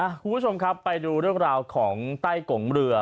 คุณผู้ชมครับไปดูเรื่องราวของใต้กงเรือ